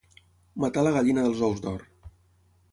Matar la gallina dels ous d'or.